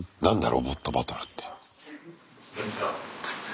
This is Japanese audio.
「ロボットバトル」って。